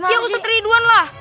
ya usah teriduan lah